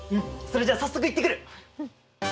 それじゃ早速行ってくる！